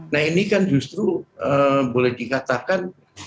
nah ini kan justru boleh dikatakan